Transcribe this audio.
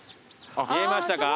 見えましたか？